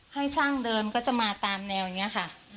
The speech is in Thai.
ให้ช่างเดินก็จะมาตามแนวอย่างนี้ค่ะ